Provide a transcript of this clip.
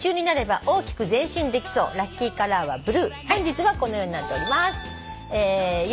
本日はこのようになっております。